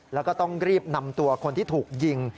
แล้วก็ต้องรีบนำตัวคนที่ถูกยิง